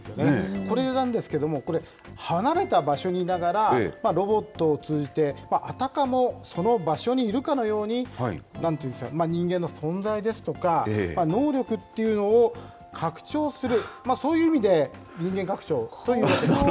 これなんですけれども、これ、離れた場所にいながら、ロボットを通じてあたかもその場所にいるかのように、なんていうんでしょう、人間の存在ですとか、能力っていうのを拡張する、そういう意味で、人間拡張といわれています。